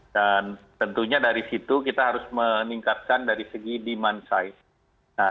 dan tentunya dari situ kita harus meningkatkan dari segi dimanfaatkan